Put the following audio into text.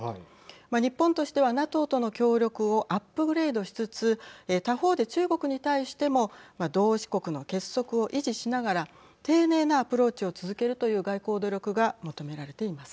日本としてはＮＡＴＯとの協力をアップグレードしつつ他方で中国に対しても同志国の結束を維持しながら丁寧なアプローチを続けるという外交努力が求められています。